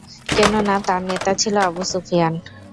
কেননা, তার নেতা ছিল আবু সুফিয়ান।